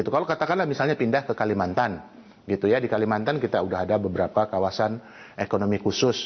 kalau katakanlah misalnya pindah ke kalimantan di kalimantan kita sudah ada beberapa kawasan ekonomi khusus